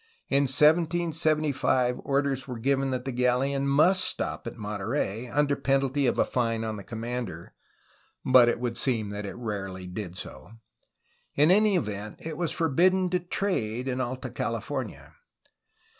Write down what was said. In 1775 orders were given that the galleon must stop at Monterey, under penalty of a fine on the commander, but it would seem that it rarely did so. In any event it was forbidden to trade in Alta California.